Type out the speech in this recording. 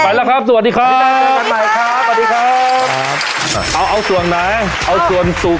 ไปแล้วครับสวัสดีครับสวัสดีครับอ่าเอาเอาส่วนไหนเอาส่วนสูบ